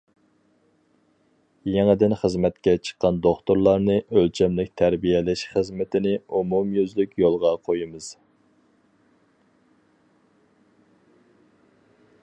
يېڭىدىن خىزمەتكە چىققان دوختۇرلارنى ئۆلچەملىك تەربىيەلەش خىزمىتىنى ئومۇميۈزلۈك يولغا قويىمىز.